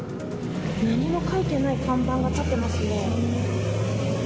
何も書いてない看板が立ってますね。